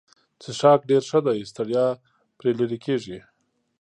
څښاک ډېر ښه دی ستړیا پرې لیرې کیږي.